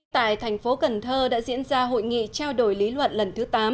tại thành phố cần thơ đã diễn ra hội nghị trao đổi lý luận lần thứ tám